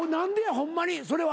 ホンマにそれは。